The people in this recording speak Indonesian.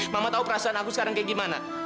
mama tahu perasaan aku sekarang kayak gimana